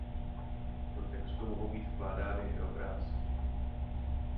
Do textu mohou být vkládány i obrázky.